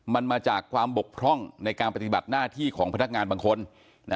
มันมาจากความบกพร่องในการปฏิบัติหน้าที่ของพนักงานบางคน